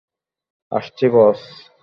আসছি, বস।